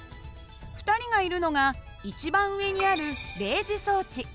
２人がいるのが一番上にある励磁装置。